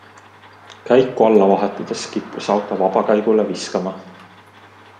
Käiku alla vahetades kippus auto vabakäigule viskama.